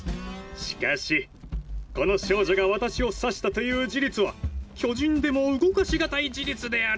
しかしこの少女が私を刺したという事実は巨人でも動かしがたい事実でありますぞ！